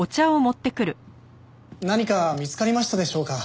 何か見つかりましたでしょうか？